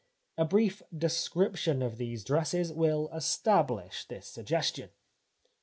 A brief description of these dresses will establish this suggestion.